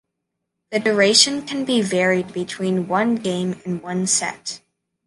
The duration can be varied between one game and one set.